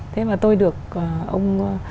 thế mà tôi được ông